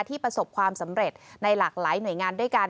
ประสบความสำเร็จในหลากหลายหน่วยงานด้วยกัน